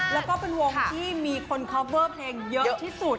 แล้วก็เป็นวงที่มีคนคอปเวอร์เพลงเยอะที่สุด